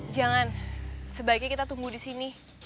jangan sebaiknya kita tumbuh di sini